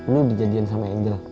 lu di jadian sama angel